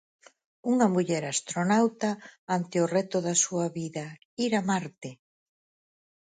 Unha muller astronauta ante o reto da súa vida: ir a Marte.